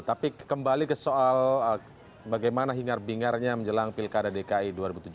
tapi kembali ke soal bagaimana hingar bingarnya menjelang pilkada dki dua ribu tujuh belas